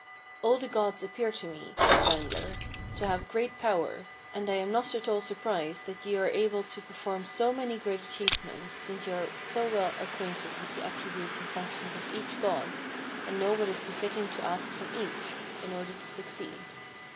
26. "All the gods appear to me," said Gangler, "to have great power, and I am not at all surprised that ye are able to perform so many great achievements, since ye are so well acquainted with the attributes and functions of each god, and know what is befitting to ask from each, in order to succeed.